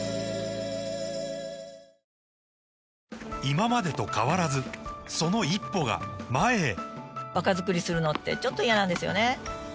今までと変わらずその一歩が前へ若づくりするのってちょっと嫌なんですよね